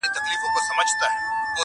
o خو زړې نښې پاتې وي تل,